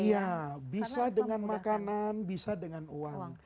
iya bisa dengan makanan bisa dengan uang